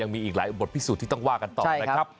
มีอีกหลายบทพิสูจน์ที่ต้องว่ากันต่อนะครับ